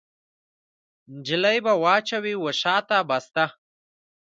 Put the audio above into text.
نجلۍ به واچوي وشا ته بسته